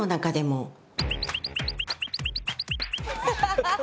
ハハハハハ！